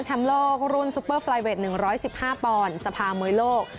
แชมป์โลกรุ่นสุปเปอร์ปลายเวทหนึ่งร้อยสิบห้าปอนด์สภาหมวยโลก